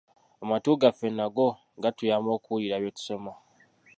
Amatu gaffe nago gatuyamba okuwulira bye tusoma.